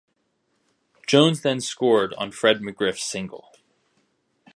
Jones then scored on Fred McGriff's single.